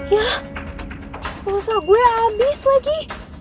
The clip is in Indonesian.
ya pengusaha gue abis lagi